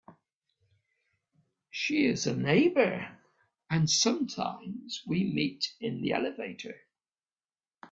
She is a neighbour, and sometimes we meet in the elevator.